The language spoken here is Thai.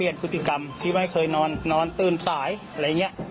จะกำหนดหรือสัญญา